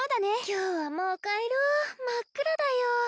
今日はもう帰ろ真っ暗だよ